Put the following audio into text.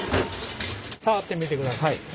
触ってみてください。